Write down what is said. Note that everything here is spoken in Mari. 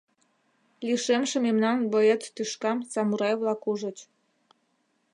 Лишемше мемнан боец тӱшкам самурай-влак ужыч.